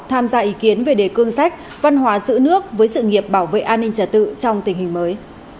tham gia ý kiến về đề cương sách văn hóa giữ nước với sự nghiệp bảo vệ an ninh trả tự trong tình hình mới